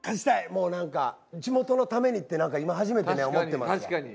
もうなんか地元のためにってなんか今初めてね思ってますわ。